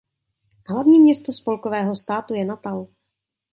Hlavní město spolkového státu je Natal.